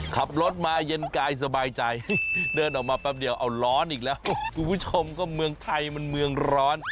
ขับรถมาเย็นกายสบายใจเดินออกมาแป๊บเดียวเอาร้อนอีกแล้วคุณผู้ชมก็เมืองไทยมันเมืองร้อน